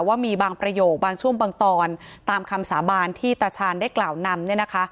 ว่ามีบางประโยคบางช่วงบางตอนตามคำสาบานที่ตาชาญได้กล่าวนำเนี่ยนะคะ